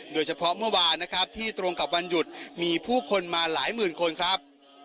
โดยเฉพาะเมื่อวานนะครับที่ตรงกับวันหยุดมีผู้คนมาหลายหมื่นคนครับ